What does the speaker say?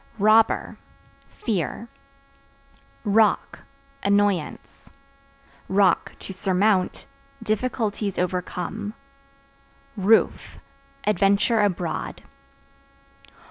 Robber Fear. Rock Annoyance; (to surmount) difficulties overcome. Roof Adventure abroad.